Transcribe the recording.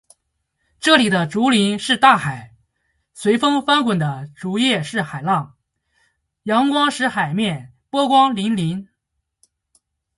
这里的竹林是大海，随风翻滚的竹叶是海浪，阳光使“海面”波光粼粼。